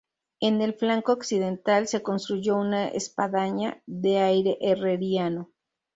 En el flanco occidental, se construyó una espadaña, de aire herreriano.